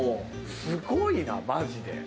すごいな、マジで。